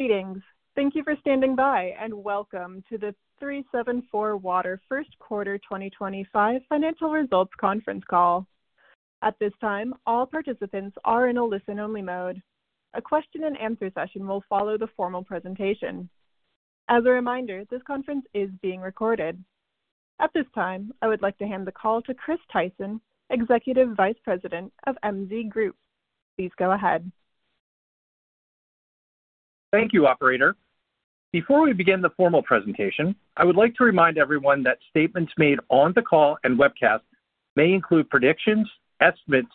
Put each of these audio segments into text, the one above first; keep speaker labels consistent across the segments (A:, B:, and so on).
A: Greetings. Thank you for standing by, and welcome to the 374Water First Quarter 2025 Financial Results Conference call. At this time, all participants are in a listen-only mode. A question-and-answer session will follow the formal presentation. As a reminder, this conference is being recorded. At this time, I would like to hand the call to Chris Tyson, Executive Vice President of MZ Group. Please go ahead.
B: Thank you, Operator. Before we begin the formal presentation, I would like to remind everyone that statements made on the call and webcast may include predictions, estimates,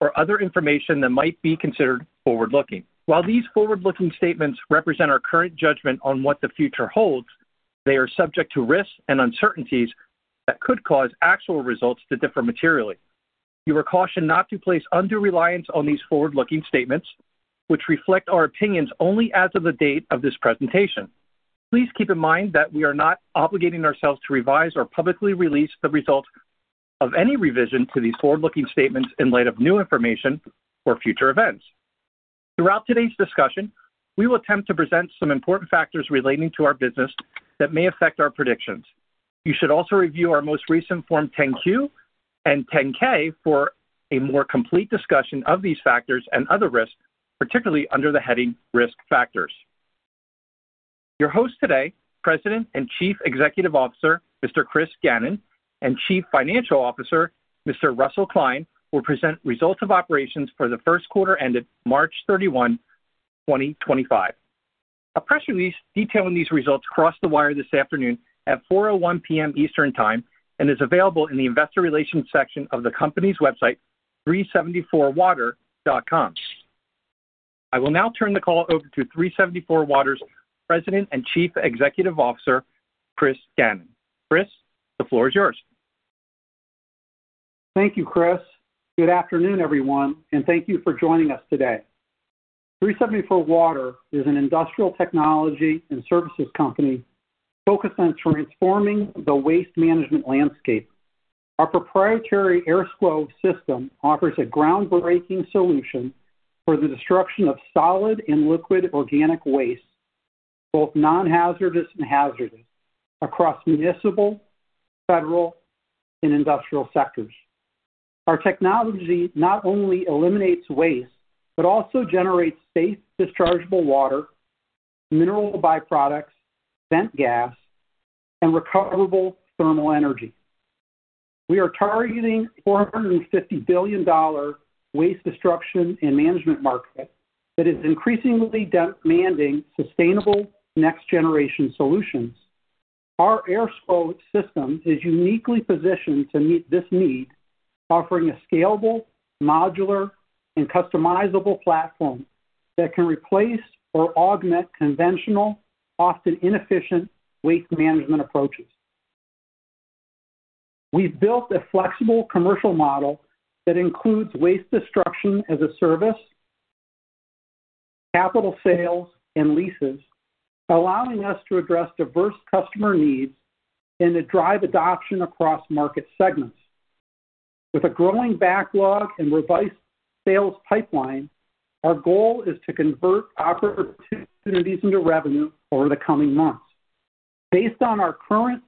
B: or other information that might be considered forward-looking. While these forward-looking statements represent our current judgment on what the future holds, they are subject to risks and uncertainties that could cause actual results to differ materially. You are cautioned not to place undue reliance on these forward-looking statements, which reflect our opinions only as of the date of this presentation. Please keep in mind that we are not obligating ourselves to revise or publicly release the results of any revision to these forward-looking statements in light of new information or future events. Throughout today's discussion, we will attempt to present some important factors relating to our business that may affect our predictions. You should also review our most recent Form 10-Q and 10-K for a more complete discussion of these factors and other risks, particularly under the heading Risk Factors. Your hosts today, President and Chief Executive Officer Mr. Chris Gannon, and Chief Financial Officer Mr. Russell Kline, will present results of operations for the first quarter ended March 31, 2025. A press release detailing these results crossed the wire this afternoon at 4:01 P.M. Eastern Time and is available in the Investor Relations section of the company's website, 374Water.com. I will now turn the call over to 374Water's President and Chief Executive Officer, Chris Gannon. Chris, the floor is yours.
C: Thank you, Chris. Good afternoon, everyone, and thank you for joining us today. 374Water is an industrial technology and services company focused on transforming the waste management landscape. Our proprietary AirSCWO system offers a groundbreaking solution for the destruction of solid and liquid organic waste, both non-hazardous and hazardous, across municipal, federal, and industrial sectors. Our technology not only eliminates waste but also generates safe dischargeable water, mineral byproducts, vent gas, and recoverable thermal energy. We are targeting $450 billion waste destruction and management market that is increasingly demanding sustainable next-generation solutions. Our AirSCWO system is uniquely positioned to meet this need, offering a scalable, modular, and customizable platform that can replace or augment conventional, often inefficient waste management approaches. We've built a flexible commercial model that includes waste destruction as a service, capital sales, and leases, allowing us to address diverse customer needs and to drive adoption across market segments. With a growing backlog and revised sales pipeline, our goal is to convert opportunities into revenue over the coming months. Based on our current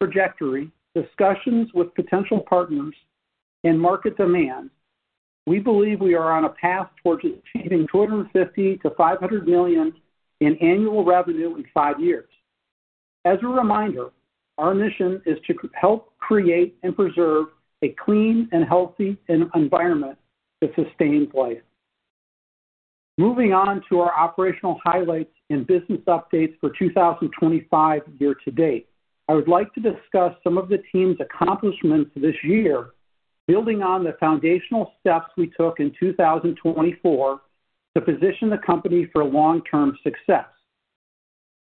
C: trajectory, discussions with potential partners, and market demand, we believe we are on a path towards achieving $250 million-$500 million in annual revenue in five years. As a reminder, our mission is to help create and preserve a clean and healthy environment to sustain life. Moving on to our operational highlights and business updates for 2025 year to date, I would like to discuss some of the team's accomplishments this year, building on the foundational steps we took in 2024 to position the company for long-term success.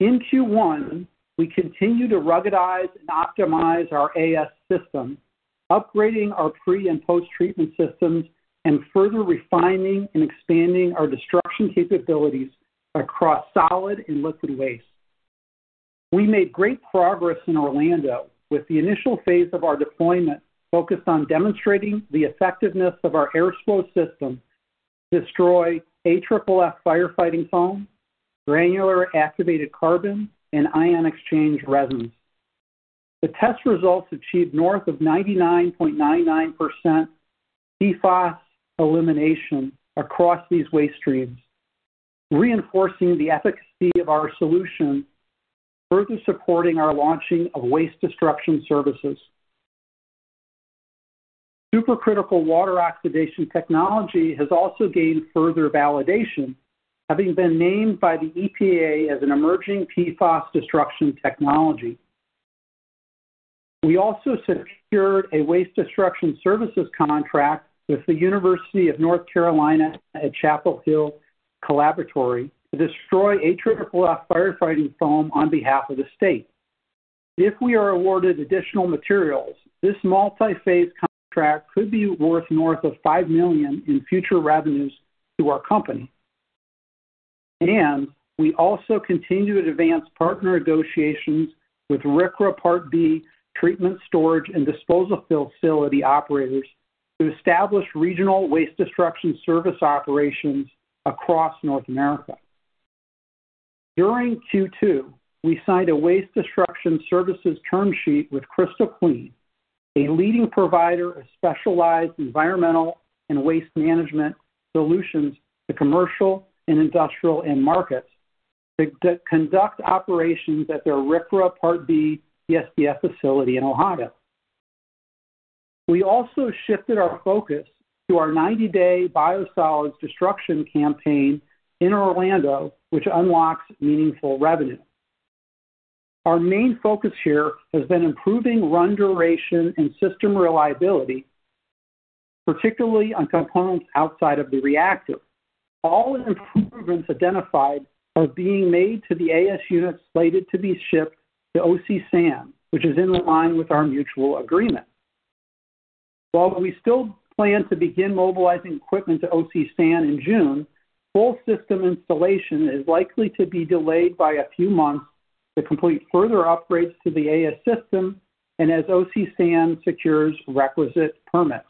C: In Q1, we continue to ruggedize and optimize our AS system, upgrading our pre- and post-treatment systems, and further refining and expanding our destruction capabilities across solid and liquid waste. We made great progress in Orlando with the initial phase of our deployment focused on demonstrating the effectiveness of our AirSCWO system to destroy AFFF firefighting foam, granular activated carbon, and ion exchange resins. The test results achieved north of 99.99% PFAS elimination across these waste streams, reinforcing the efficacy of our solution, further supporting our launching of waste destruction services. Supercritical water oxidation technology has also gained further validation, having been named by the EPA as an emerging PFAS destruction technology. We also secured a waste destruction services contract with the University of North Carolina at Chapel Hill Collaboratory to destroy AFFF firefighting foam on behalf of the state. If we are awarded additional materials, this multi-phase contract could be worth north of $5 million in future revenues to our company. We also continue to advance partner negotiations with RCRA Part B treatment, storage, and disposal facility operators to establish regional waste destruction service operations across North America. During Q2, we signed a waste destruction services term sheet with Crystal Clean, a leading provider of specialized environmental and waste management solutions to commercial and industrial end markets, to conduct operations at their RCRA Part B TSDF facility in OHADA. We also shifted our focus to our 90-day biosolids destruction campaign in Orlando, which unlocks meaningful revenue. Our main focus here has been improving run duration and system reliability, particularly on components outside of the reactor. All improvements identified are being made to the AS units slated to be shipped to OC San, which is in line with our mutual agreement. While we still plan to begin mobilizing equipment to OC San in June, full system installation is likely to be delayed by a few months to complete further upgrades to the AS system and as OC San secures requisite permits.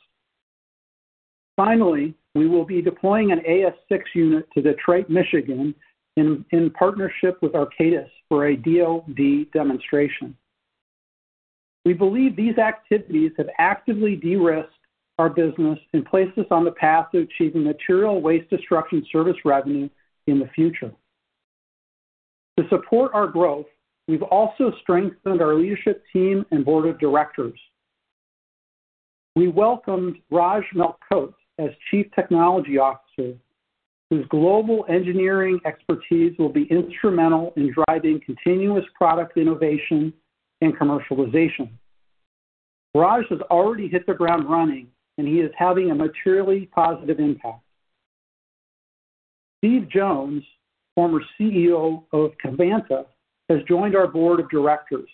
C: Finally, we will be deploying an AS-6 unit to Detroit, Michigan, in partnership with Arcadis for a DOD demonstration. We believe these activities have actively de-risked our business and placed us on the path to achieving material waste destruction service revenue in the future. To support our growth, we've also strengthened our leadership team and board of directors. We welcomed Raj Melkote as Chief Technology Officer, whose global engineering expertise will be instrumental in driving continuous product innovation and commercialization. Raj has already hit the ground running, and he is having a materially positive impact. Steve Jones, former CEO of Covanta, has joined our board of directors.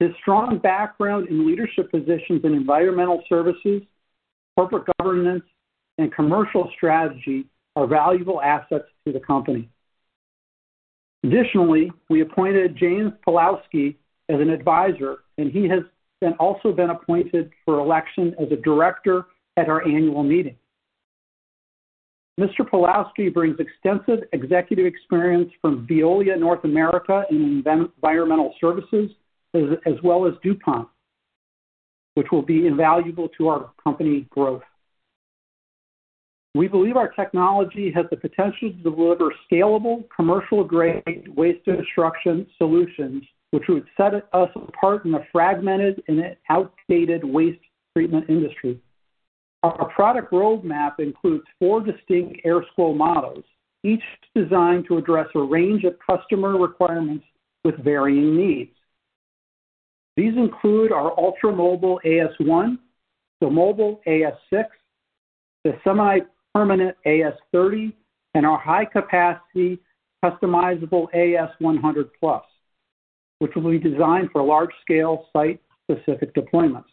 C: His strong background in leadership positions in environmental services, corporate governance, and commercial strategy are valuable assets to the company. Additionally, we appointed James Pawlowski as an advisor, and he has also been appointed for election as a director at our annual meeting. Mr. Pawlowski brings extensive executive experience from Veolia North America in environmental services, as well as DuPont, which will be invaluable to our company growth. We believe our technology has the potential to deliver scalable, commercial-grade waste destruction solutions, which would set us apart in a fragmented and outdated waste treatment industry. Our product roadmap includes four distinct AirSCWO models, each designed to address a range of customer requirements with varying needs. These include our ultra-mobile AS-1, the mobile AS-6, the semi-permanent AS-30, and our high-capacity customizable AS-100+, which will be designed for large-scale site-specific deployments.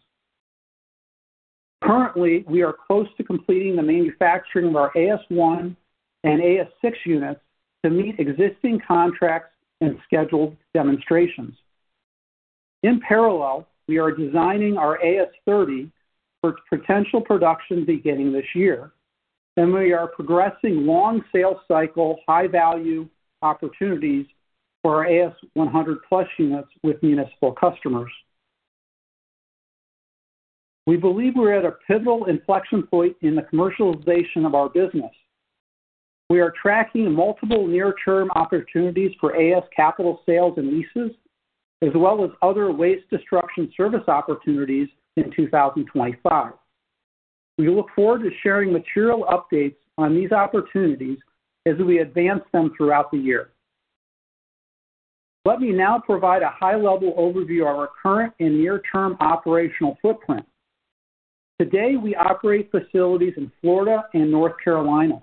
C: Currently, we are close to completing the manufacturing of our AS-1 and AS-6 units to meet existing contracts and scheduled demonstrations. In parallel, we are designing our AS-30 for potential production beginning this year, and we are progressing long sales cycle, high-value opportunities for our AS-100+ units with municipal customers. We believe we're at a pivotal inflection point in the commercialization of our business. We are tracking multiple near-term opportunities for AS capital sales and leases, as well as other waste destruction service opportunities in 2025. We look forward to sharing material updates on these opportunities as we advance them throughout the year. Let me now provide a high-level overview of our current and near-term operational footprint. Today, we operate facilities in Florida and North Carolina.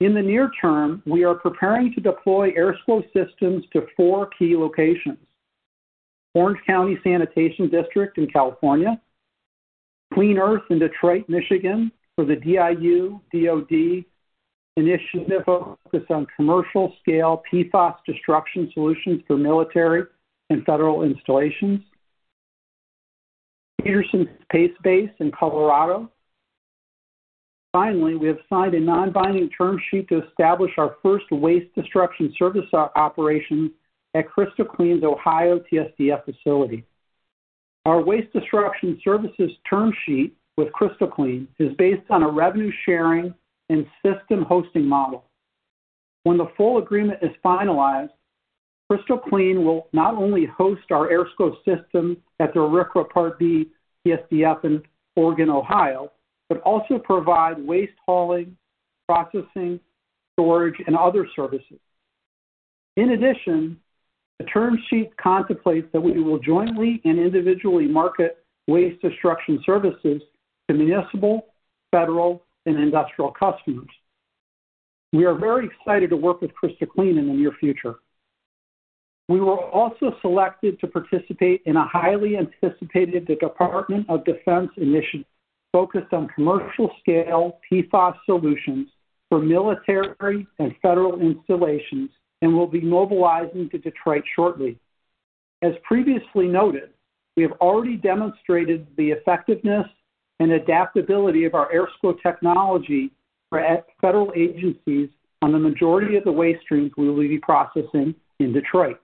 C: In the near term, we are preparing to deploy AirSCWO systems to four key locations: Orange County Sanitation District in California, Clean Earth in Detroit, Michigan, for the DIU DOD initiative focused on commercial-scale PFAS destruction solutions for military and federal installations, Peterson Space Base in Colorado. Finally, we have signed a non-binding term sheet to establish our first waste destruction service operation at Crystal Clean's Ohio TSDF facility. Our waste destruction services term sheet with Crystal Clean is based on a revenue-sharing and system hosting model. When the full agreement is finalized, Crystal Clean will not only host our AirSCWO system at the RCRA Part B TSDF in Oregon, Ohio, but also provide waste hauling, processing, storage, and other services. In addition, the term sheet contemplates that we will jointly and individually market waste destruction services to municipal, federal, and industrial customers. We are very excited to work with Crystal Clean in the near future. We were also selected to participate in a highly anticipated Department of Defense Initiative focused on commercial-scale PFAS solutions for military and federal installations and will be mobilizing to Detroit shortly. As previously noted, we have already demonstrated the effectiveness and adaptability of our AirSCWO technology for federal agencies on the majority of the waste streams we will be processing in Detroit.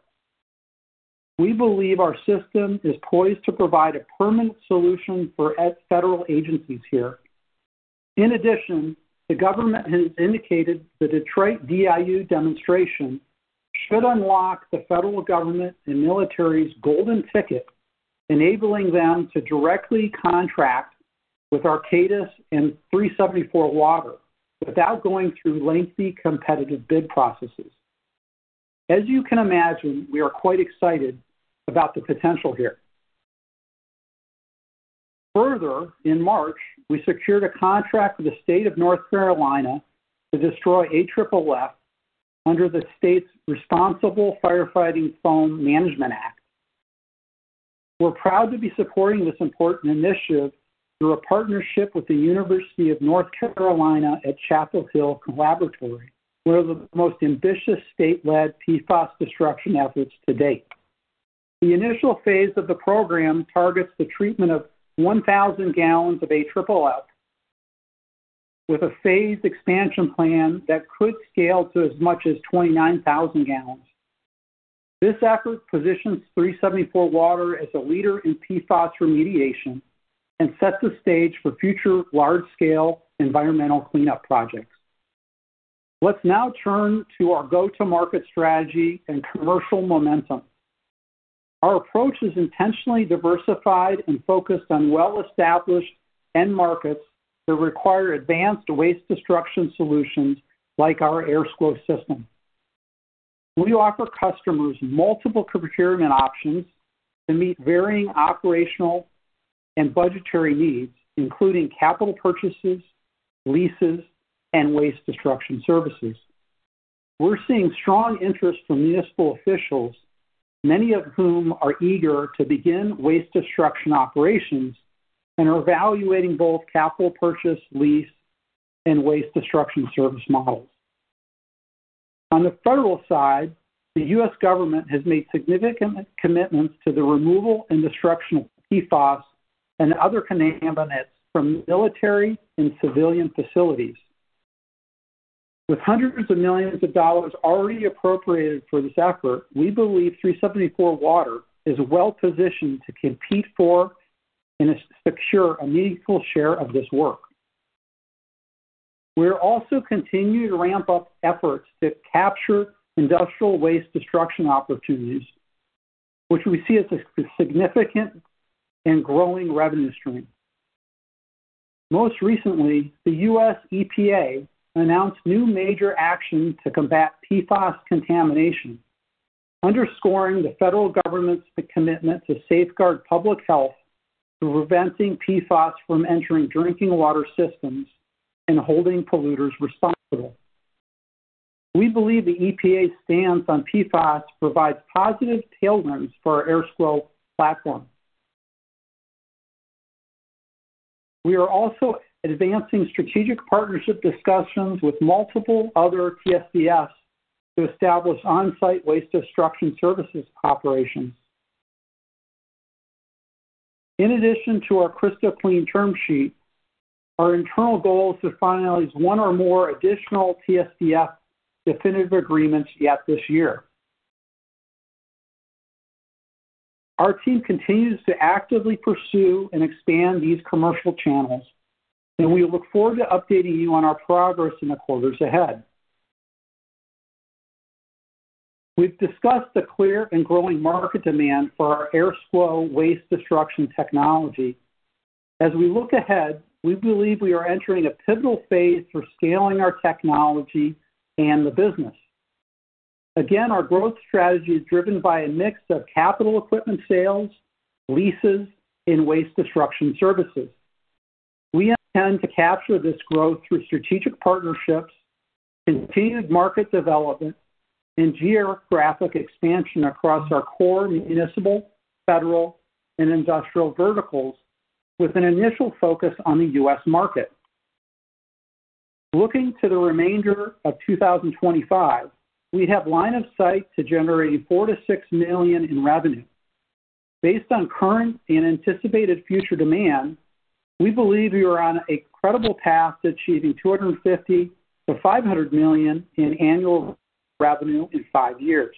C: We believe our system is poised to provide a permanent solution for federal agencies here. In addition, the government has indicated the Detroit DIU demonstration should unlock the federal government and military's golden ticket, enabling them to directly contract with Arcadis and 374Water without going through lengthy competitive bid processes. As you can imagine, we are quite excited about the potential here. Further, in March, we secured a contract with the state of North Carolina to destroy AFFF under the state's Responsible Firefighting Foam Management Act. We're proud to be supporting this important initiative through a partnership with the University of North Carolina at Chapel Hill Collaboratory, one of the most ambitious state-led PFAS destruction efforts to date. The initial phase of the program targets the treatment of 1,000 gallons of AFFF, with a phased expansion plan that could scale to as much as 29,000 gallons. This effort positions 374Water as a leader in PFAS remediation and sets the stage for future large-scale environmental cleanup projects. Let's now turn to our go-to-market strategy and commercial momentum. Our approach is intentionally diversified and focused on well-established end markets that require advanced waste destruction solutions like our AirSCWO system. We offer customers multiple procurement options to meet varying operational and budgetary needs, including capital purchases, leases, and waste destruction services. We're seeing strong interest from municipal officials, many of whom are eager to begin waste destruction operations and are evaluating both capital purchase, lease, and waste destruction service models. On the federal side, the U.S. government has made significant commitments to the removal and destruction of PFAS and other contaminants from military and civilian facilities. With hundreds of millions of dollars already appropriated for this effort, we believe 374Water is well-positioned to compete for and secure a meaningful share of this work. We're also continuing to ramp up efforts to capture industrial waste destruction opportunities, which we see as a significant and growing revenue stream. Most recently, the U.S. EPA announced new major actions to combat PFAS contamination, underscoring the federal government's commitment to safeguard public health through preventing PFAS from entering drinking water systems and holding polluters responsible. We believe the EPA's stance on PFAS provides positive tailwinds for our AirSCWO platform. We are also advancing strategic partnership discussions with multiple other TSDFs to establish on-site waste destruction services operations. In addition to our Crystal Clean term sheet, our internal goal is to finalize one or more additional TSDF definitive agreements yet this year. Our team continues to actively pursue and expand these commercial channels, and we look forward to updating you on our progress in the quarters ahead. We've discussed the clear and growing market demand for our AirSCWO waste destruction technology. As we look ahead, we believe we are entering a pivotal phase for scaling our technology and the business. Again, our growth strategy is driven by a mix of capital equipment sales, leases, and waste destruction services. We intend to capture this growth through strategic partnerships, continued market development, and geographic expansion across our core municipal, federal, and industrial verticals, with an initial focus on the U.S. market. Looking to the remainder of 2025, we have line of sight to generating $4 million-$6 million in revenue. Based on current and anticipated future demand, we believe we are on a credible path to achieving $250 million-$500 million in annual revenue in five years.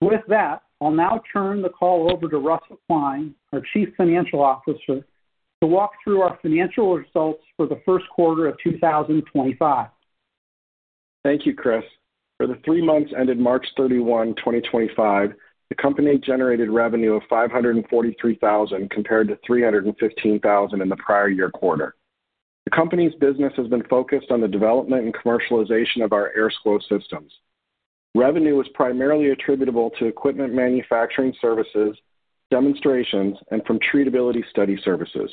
C: With that, I'll now turn the call over to Russell Kline, our Chief Financial Officer, to walk through our financial results for the first quarter of 2025.
D: Thank you, Chris. For the three months ended March 31, 2025, the company generated revenue of $543,000 compared to $315,000 in the prior year quarter. The company's business has been focused on the development and commercialization of our AirSCWO systems. Revenue was primarily attributable to equipment manufacturing services, demonstrations, and from treatability study services.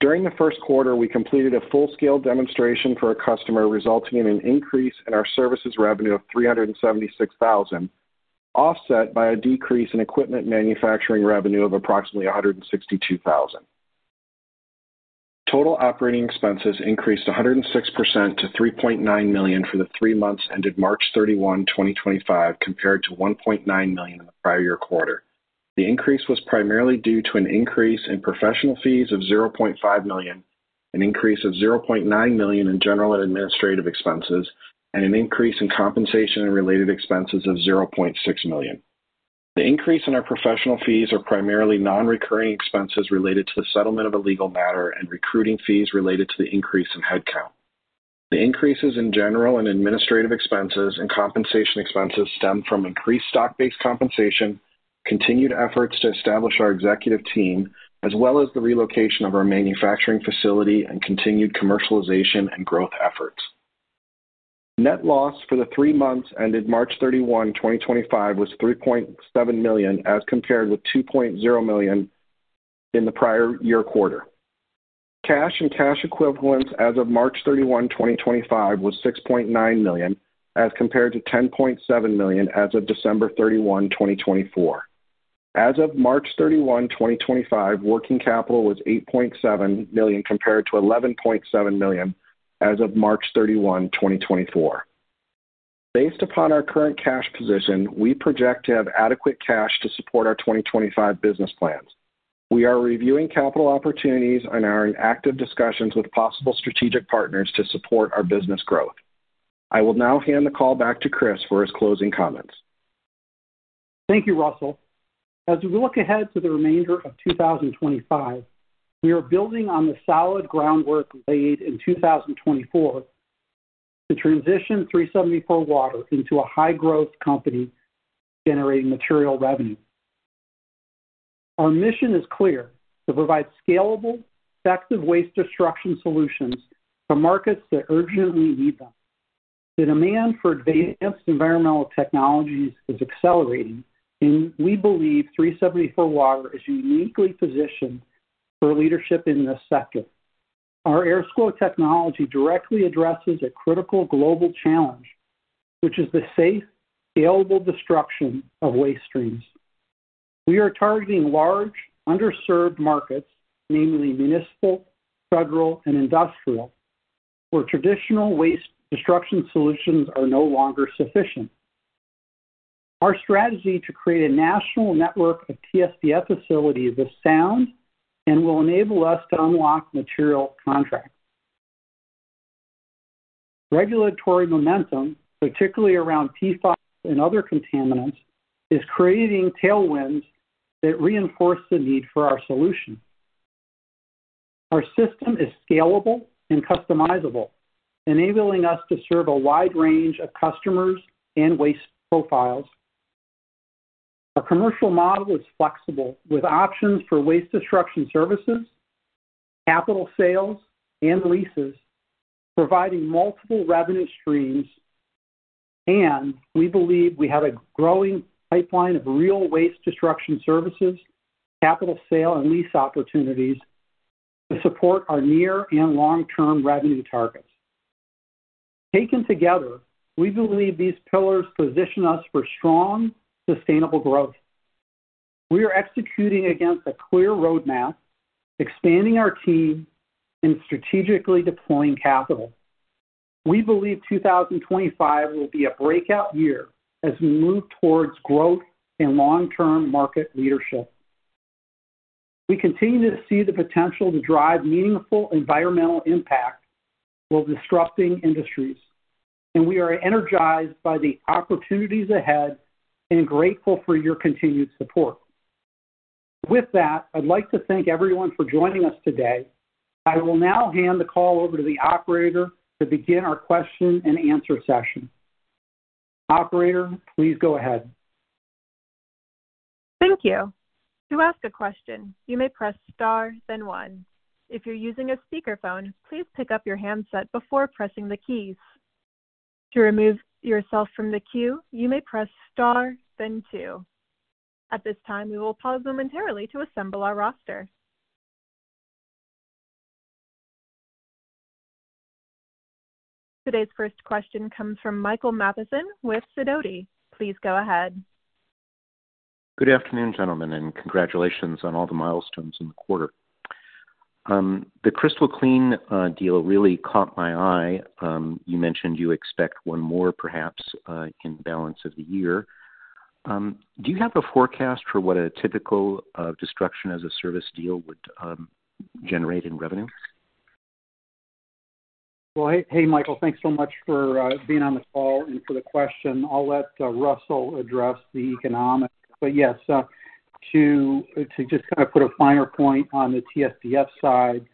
D: During the first quarter, we completed a full-scale demonstration for a customer, resulting in an increase in our services revenue of $376,000, offset by a decrease in equipment manufacturing revenue of approximately $162,000. Total operating expenses increased 106% to $3.9 million for the three months ended March 31, 2025, compared to $1.9 million in the prior year quarter. The increase was primarily due to an increase in professional fees of $0.5 million, an increase of $0.9 million in general and administrative expenses, and an increase in compensation and related expenses of $0.6 million. The increase in our professional fees is primarily non-recurring expenses related to the settlement of a legal matter and recruiting fees related to the increase in headcount. The increases in general and administrative expenses and compensation expenses stem from increased stock-based compensation, continued efforts to establish our executive team, as well as the relocation of our manufacturing facility and continued commercialization and growth efforts. Net loss for the three months ended March 31, 2025, was $3.7 million as compared with $2.0 million in the prior year quarter. Cash and cash equivalents as of March 31, 2025, were $6.9 million as compared to $10.7 million as of December 31, 2024. As of March 31, 2025, working capital was $8.7 million compared to $11.7 million as of March 31, 2024. Based upon our current cash position, we project to have adequate cash to support our 2025 business plans. We are reviewing capital opportunities and are in active discussions with possible strategic partners to support our business growth. I will now hand the call back to Chris for his closing comments.
C: Thank you, Russell. As we look ahead to the remainder of 2025, we are building on the solid groundwork laid in 2024 to transition 374Water into a high-growth company generating material revenue. Our mission is clear: to provide scalable, effective waste destruction solutions for markets that urgently need them. The demand for advanced environmental technologies is accelerating, and we believe 374Water is uniquely positioned for leadership in this sector. Our AirSCWO technology directly addresses a critical global challenge, which is the safe, scalable destruction of waste streams. We are targeting large, underserved markets, namely municipal, federal, and industrial, where traditional waste destruction solutions are no longer sufficient. Our strategy is to create a national network of TSDF facilities that sound and will enable us to unlock material contracts. Regulatory momentum, particularly around PFAS and other contaminants, is creating tailwinds that reinforce the need for our solution. Our system is scalable and customizable, enabling us to serve a wide range of customers and waste profiles. Our commercial model is flexible, with options for waste destruction services, capital sales, and leases, providing multiple revenue streams. We believe we have a growing pipeline of real waste destruction services, capital sale, and lease opportunities to support our near and long-term revenue targets. Taken together, we believe these pillars position us for strong, sustainable growth. We are executing against a clear roadmap, expanding our team, and strategically deploying capital. We believe 2025 will be a breakout year as we move towards growth and long-term market leadership. We continue to see the potential to drive meaningful environmental impact while disrupting industries, and we are energized by the opportunities ahead and grateful for your continued support. With that, I'd like to thank everyone for joining us today. I will now hand the call over to the operator to begin our question-and-answer session. Operator, please go ahead.
A: Thank you. To ask a question, you may press star, then one. If you're using a speakerphone, please pick up your handset before pressing the keys. To remove yourself from the queue, you may press star, then two. At this time, we will pause momentarily to assemble our roster. Today's first question comes from Michael Mathison with Sidoti. Please go ahead.
E: Good afternoon, gentlemen, and congratulations on all the milestones in the quarter. The Crystal Clean deal really caught my eye. You mentioned you expect one more, perhaps, in the balance of the year. Do you have a forecast for what a typical destruction-as-a-service deal would generate in revenue?
C: Michael, thanks so much for being on the call and for the question. I'll let Russell address the economics. Yes, to just kind of put a finer point on the TSDF side,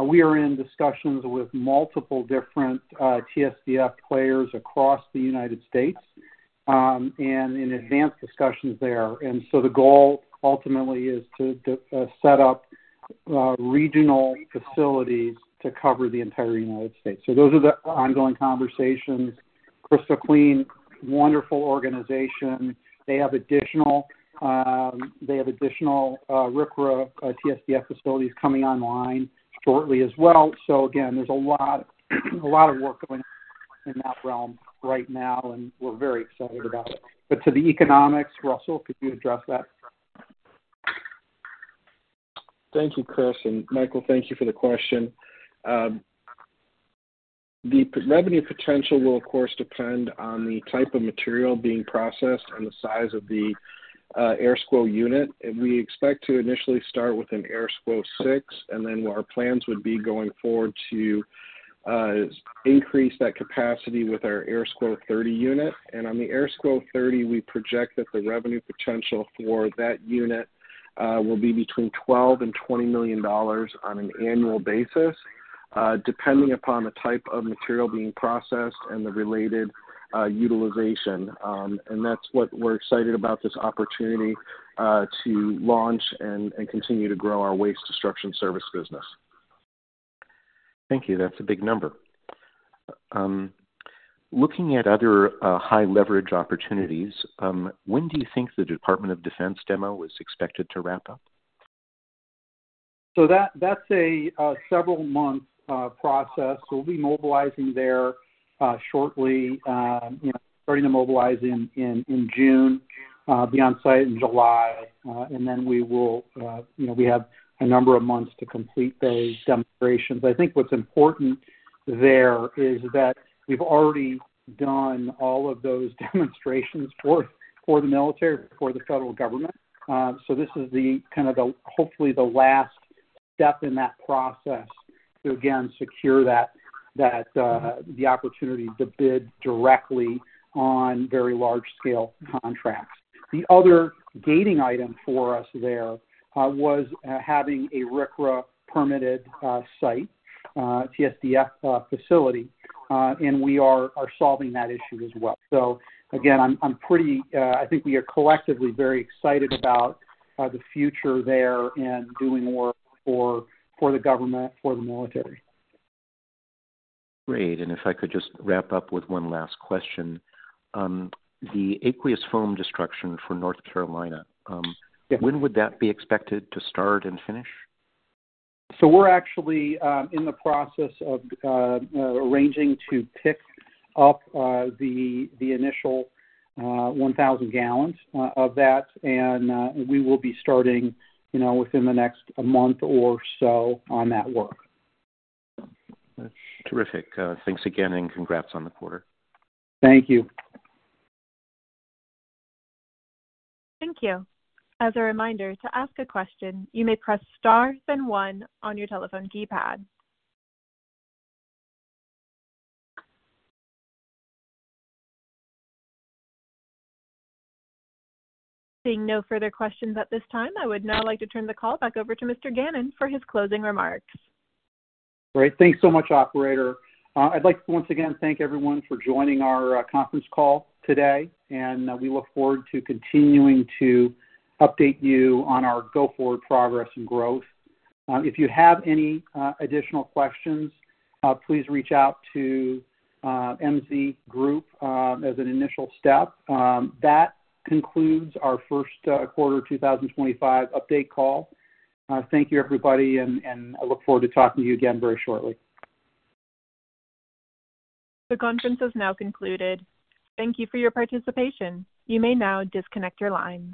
C: we are in discussions with multiple different TSDF players across the United States and in advanced discussions there. The goal ultimately is to set up regional facilities to cover the entire United States. Those are the ongoing conversations. Crystal Clean, wonderful organization. They have additional RCRA TSDF facilities coming online shortly as well. There is a lot of work going on in that realm right now, and we're very excited about it. To the economics, Russell, could you address that?
D: Thank you, Chris. And Michael, thank you for the question. The revenue potential will, of course, depend on the type of material being processed and the size of the AirSCWO unit. We expect to initially start with an AirSCWO 6, and then our plans would be going forward to increase that capacity with our AirSCWO 30 unit. On the AirSCWO 30, we project that the revenue potential for that unit will be between $12 million and $20 million on an annual basis, depending upon the type of material being processed and the related utilization. That is what we are excited about, this opportunity to launch and continue to grow our waste destruction services business.
E: Thank you. That is a big number. Looking at other high-leverage opportunities, when do you think the Department of Defense demo is expected to wrap up?
C: That is a several-month process. We'll be mobilizing there shortly, starting to mobilize in June, be on site in July. We will have a number of months to complete those demonstrations. I think what's important there is that we've already done all of those demonstrations for the military, for the federal government. This is kind of hopefully the last step in that process to, again, secure the opportunity to bid directly on very large-scale contracts. The other gating item for us there was having a RCRA-permitted TSDF facility, and we are solving that issue as well. I think we are collectively very excited about the future there and doing work for the government, for the military.
E: Great. If I could just wrap up with one last question, the aqueous foam destruction for North Carolina, when would that be expected to start and finish?
C: We're actually in the process of arranging to pick up the initial 1,000 gallons of that, and we will be starting within the next month or so on that work.
E: That's terrific. Thanks again, and congrats on the quarter.
C: Thank you.
A: Thank you. As a reminder, to ask a question, you may press star, then one on your telephone keypad. Seeing no further questions at this time, I would now like to turn the call back over to Mr. Gannon for his closing remarks.
C: Great. Thanks so much, Operator. I'd like to once again thank everyone for joining our conference call today, and we look forward to continuing to update you on our go-forward progress and growth. If you have any additional questions, please reach out to MZ Group as an initial step. That concludes our first quarter 2025 update call. Thank you, everybody, and I look forward to talking to you again very shortly.
A: The conference is now concluded. Thank you for your participation. You may now disconnect your line.